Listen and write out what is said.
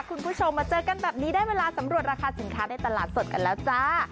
คุณผู้ชมมาเจอกันแบบนี้ได้เวลาสำรวจราคาสินค้าในตลาดสดกันแล้วจ้า